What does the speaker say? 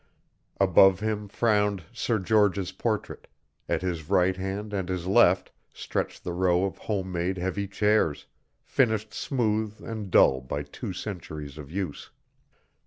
Above him frowned Sir George's portrait, at his right hand and his left stretched the row of home made heavy chairs, finished smooth and dull by two centuries of use.